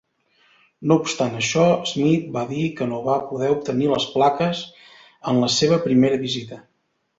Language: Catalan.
No obstant això, Smith va dir que no va poder obtenir les plaques en la seva primera visita.